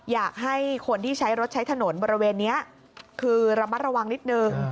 อยากให้คนที่ใช้รถใช้ถนนบริเวณนี้คือระมัดระวังนิดนึง